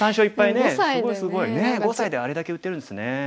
ねえ５歳であれだけ打てるんですね。